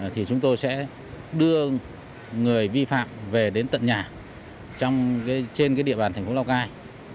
thì chúng tôi sẽ đưa người vi phạm về đến tận nhà trên địa bàn thành phố lào cai